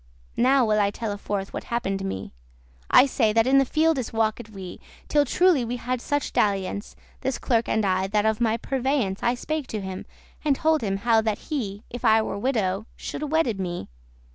*worn Now will I telle forth what happen'd me: I say, that in the fieldes walked we, Till truely we had such dalliance, This clerk and I, that of my purveyance* *foresight I spake to him, and told him how that he, If I were widow, shoulde wedde me.